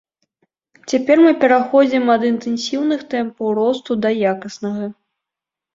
Цяпер мы пераходзім ад інтэнсіўных тэмпаў росту да якаснага.